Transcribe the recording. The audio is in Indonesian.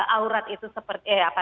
aurat itu seperti